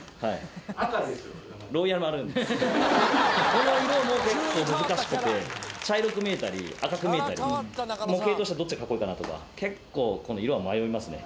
この色も結構難しくて、茶色く見えたり、赤く見えたり、模型としては、どっちがかっこいいかなとか、結構、この色は迷いますね。